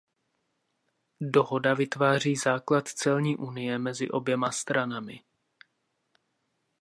Dohoda vytváří základ celní unie mezi oběma stranami.